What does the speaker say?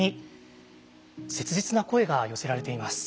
切実な声が寄せられています。